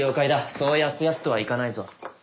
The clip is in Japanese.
そうやすやすとはいかないぞ。